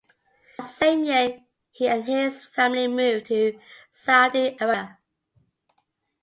That same year, he and his family moved to Saudi Arabia.